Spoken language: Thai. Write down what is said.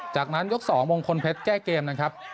จากนั้นยก๒มงคลเพชรแก้เกมนะครับ